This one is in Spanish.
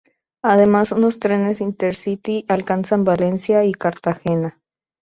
Además unos trenes Intercity alcanzan Valencia y Cartagena.